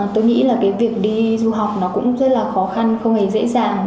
tôi nghĩ là cái việc đi du học nó cũng rất là khó khăn không hề dễ dàng